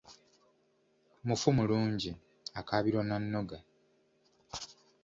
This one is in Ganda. Mufu mulungi, akaabirwa na nnoga.